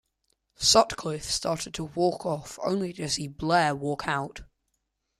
Sutcliffe started to walk off only to see Blair walk out.